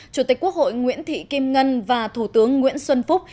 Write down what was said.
chủ tịch quốc hội nguyễn thị kim ngân và thủ tướng nguyễn xuân phúc